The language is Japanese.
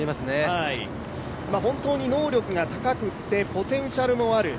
本当に能力が高くて、ポテンシャルもある。